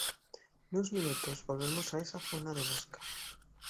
Nuns minutos volvemos a esa zona de busca.